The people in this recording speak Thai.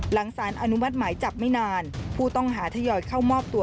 สารอนุมัติหมายจับไม่นานผู้ต้องหาทยอยเข้ามอบตัว